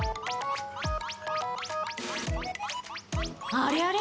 あれあれ？